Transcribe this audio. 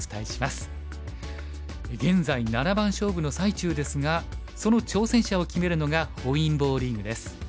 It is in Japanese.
現在七番勝負の最中ですがその挑戦者を決めるのが本因坊リーグです。